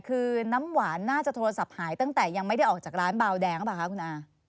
คือน้ำหวานน่าจะโทรศัพท์หายตั้งแต่ยังไม่ได้ออกจากร้านร้านกระบาลแดงครับคุณอา